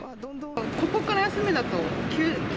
ここから休みだと９連休、